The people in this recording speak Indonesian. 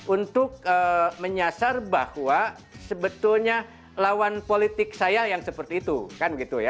untuk menyasar bahwa sebetulnya lawan politik saya yang seperti itu kan gitu ya